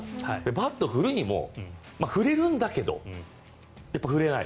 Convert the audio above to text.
バットを振るにも振れるんだけど振れない。